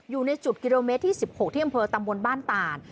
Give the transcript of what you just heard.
อยู่ในจุดกิโลเมตรที่๑๖ที่อำเภอตำบลบ้านต่าน